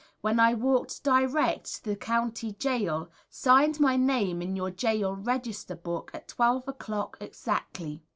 when I walked direct to the County Gaol, signed my name in your Gaol Register Book at 12 o'clock exactly.